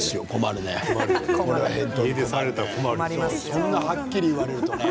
そんなはっきり言われたらね。